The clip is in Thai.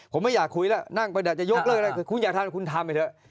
คุณอยากทำคุณทำไว้เถอะ